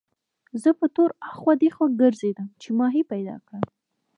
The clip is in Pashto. زه په تور اخوا دېخوا ګرځېدم چې ماهي پیدا کړم.